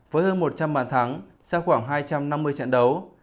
với hơn một trăm linh bàn thắng sau khoảng hai trăm năm mươi trận đấu